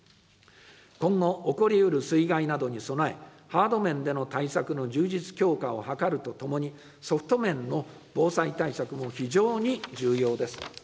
今後、起こりうる水害などに備え、ハード面での対策の充実・強化を図るとともに、ソフト面の防災対策も非常に重要です。